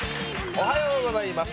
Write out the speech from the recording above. おはようございます。